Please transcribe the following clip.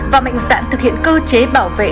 và mạnh dạn thực hiện cơ chế bảo vệ